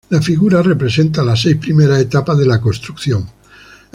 La figura representa las seis primeras etapas de la construcción.